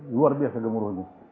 luar biasa gemuruhnya